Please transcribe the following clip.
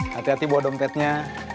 hati hati bawa dompetnya